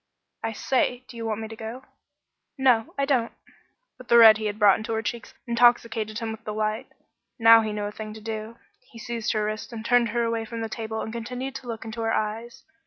"I say do you want me to go?" "No, I don't." But the red he had brought into her cheeks intoxicated him with delight. Now he knew a thing to do. He seized her wrists and turned her away from the table and continued to look into her eyes.